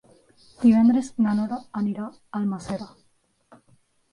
Divendres na Nora anirà a Almàssera.